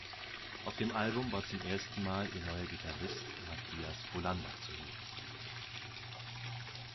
Auf dem Album war zum ersten Mal ihr neuer Gitarrist Matthias Bolander zu hören.